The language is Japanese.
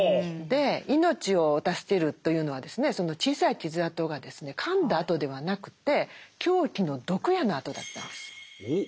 命を助けるというのはですねその小さい傷あとがですねかんだあとではなくて凶器の毒矢のあとだったんです。